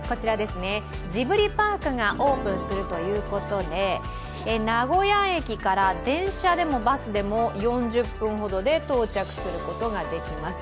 ジブリパークがオープンするということで、名古屋駅から電車でもバスでも４０分ほどで到着することができます。